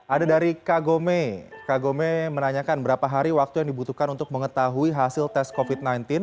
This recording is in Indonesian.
ada dari kagome kagome menanyakan berapa hari waktu yang dibutuhkan untuk mengetahui hasil tes covid sembilan belas